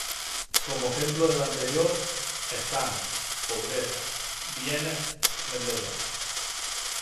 Como ejemplo de lo anterior están 貧, ‘pobreza’; 貨, ‘bienes’; 販, ‘vendedor’.